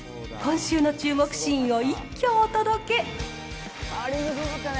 今週の注目シーンを一挙お届け。